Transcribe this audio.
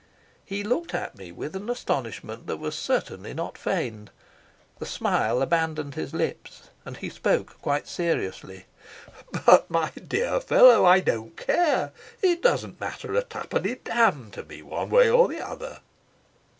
He looked at me with an astonishment that was certainly not feigned. The smile abandoned his lips, and he spoke quite seriously. "But, my dear fellow, I don't care. It doesn't matter a twopenny damn to me one way or the other."